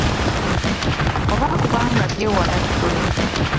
Oba kubanga byewala ttule.